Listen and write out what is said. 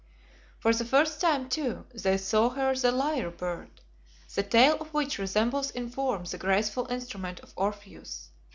For the first time, too, they saw here the "Lyre" bird, the tail of which resembles in form the graceful instrument of Orpheus.